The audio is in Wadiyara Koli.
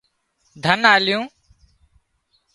ڌنَ آليون